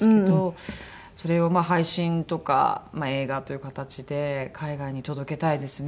それを配信とか映画という形で海外に届けたいですね。